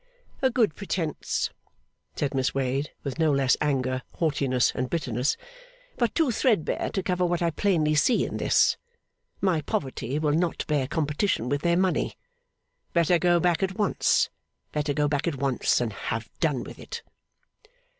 'A good pretence!' said Miss Wade, with no less anger, haughtiness, and bitterness; 'but too threadbare to cover what I plainly see in this. My poverty will not bear competition with their money. Better go back at once, better go back at once, and have done with it!